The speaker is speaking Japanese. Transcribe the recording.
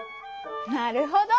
なるほど！